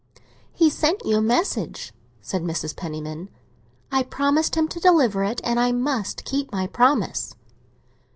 "He sent you a message," said Mrs. Penniman. "I promised him to deliver it, and I must keep my promise."